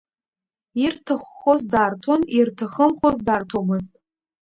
Ирҭаххоз дарҭон, ирҭахымхоз дарҭомызт.